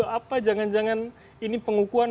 apa jangan jangan ini pengukuhan